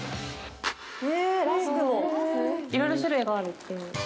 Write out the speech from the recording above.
いろいろ種類があるっていう。